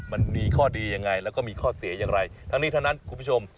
มันมีข้อดียังไงแล้วก็มีข้อเสียอย่างไรทั้งนี้ทั้งนั้นคุณผู้ชม